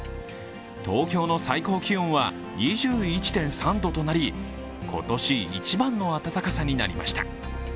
東京の最高気温は２１．３度となり今年一番の暖かさになりました。